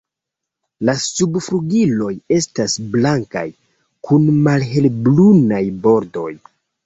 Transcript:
La subflugiloj estas blankaj kun malhelbrunaj bordoj.